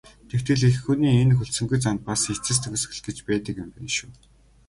Тэгтэл эх хүний энэ хүлцэнгүй занд бас эцэс төгсгөл гэж байдаг байна шүү.